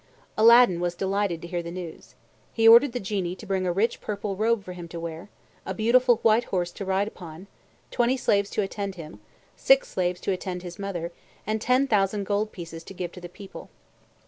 Aladdin was delighted to hear the news. He ordered the Genie to bring a rich purple robe for him to wear; a beautiful white horse to ride upon; twenty slaves to attend him; six slaves to attend his mother; and ten thousand gold pieces to give to the people.